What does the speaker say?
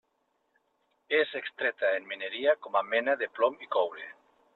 És extreta en mineria com a mena de plom i coure.